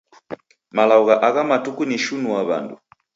Malagho gha agha matuku ni shinua w'andu.